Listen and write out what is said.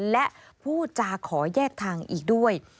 และพูดจาขอแยกทางอีกด้วย